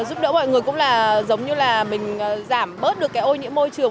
giúp đỡ mọi người cũng là giống như là mình giảm bớt được cái ô nhiễm môi trường